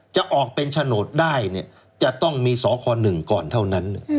จะออกเป็นฉโนตได้เนี่ยจะต้องมีสอคอหนึ่งก่อนเท่านั้น